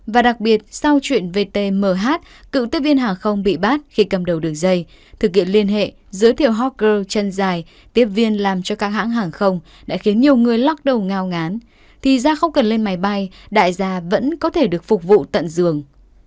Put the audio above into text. và đặc biệt sau chuyện vtmh cựu tiếp viên hàng không bị bát khi cầm đầu đường dây thực hiện liên hệ giới thiệu hocker chân dài tiếp viên làm cho các hãng hàng không đã khiến nhiều người lóc đầu ngao ngán thì ra không cần lên máy bay đại gia vẫn có thể được phục vụ tận giường